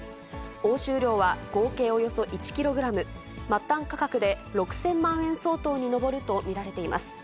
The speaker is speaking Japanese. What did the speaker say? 押収量は合計およそ１キログラム、末端価格で６０００万円相当に上ると見られています。